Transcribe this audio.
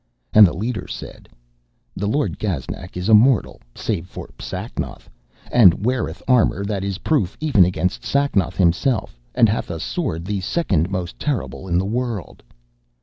And the leader said: 'The Lord Gaznak is immortal, save for Sacnoth, and weareth armour that is proof even against Sacnoth himself, and hath a sword the second most terrible in the world.'